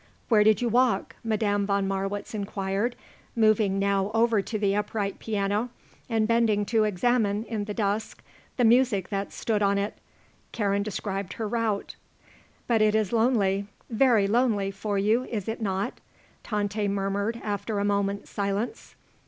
"Where did you walk?" Madame von Marwitz inquired, moving now over to the upright piano and bending to examine in the dusk the music that stood on it. Karen described her route. "But it is lonely, very lonely, for you, is it not?" Tante murmured after a moment's silence.